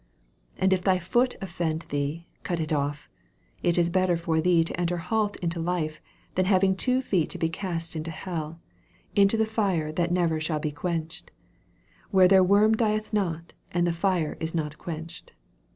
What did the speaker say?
45 And if thy foot offend thee, cut it off: it is better for thee to enter halt into life, than having two feet to be cast into hell, into the firet hat never shall be quenched : 46 Where tneir worm dieth not, and the fire is not quenched.